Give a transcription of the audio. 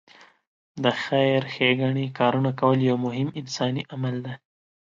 د خېر ښېګڼې کارونه کول یو مهم انساني عمل دی.